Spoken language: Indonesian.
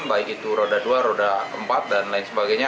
baik itu roda dua roda empat dan lain sebagainya